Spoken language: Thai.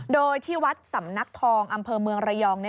โดยที่วัดสำนักทองอำเภอเมืองระยอง